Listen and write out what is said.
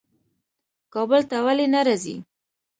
کابل ته ولي نه راځې؟